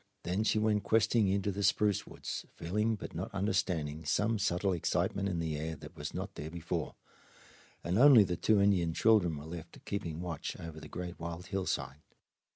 Then she went questing into the spruce woods, feeling but not understanding some subtle excitement in the air that was not there before, and only the two Indian children were left keeping watch over the great wild hillside.